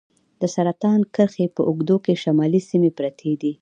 د سرطان کرښې په اوږدو کې شمالي سیمې پرتې دي.